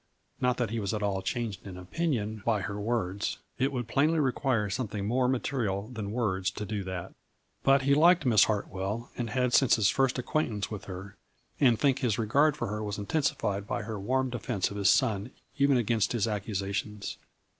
Not that he was at all changed in 160 A FLURRY IN DIAMONDS. opinion by her words. It would plainly require something more material than words to do that. But he liked Miss Hartwell and had since his first acquaintance with her, and think his regard for her was intensified by her warm defense of his son even against his accusa tions.